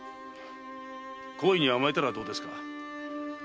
好意に甘えたらどうですか？